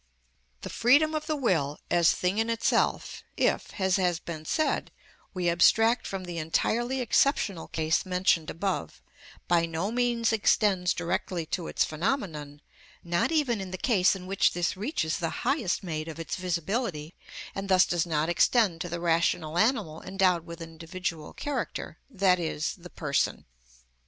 The freedom of the will as thing in itself, if, as has been said, we abstract from the entirely exceptional case mentioned above, by no means extends directly to its phenomenon, not even in the case in which this reaches the highest made of its visibility, and thus does not extend to the rational animal endowed with individual character, i.e., the person.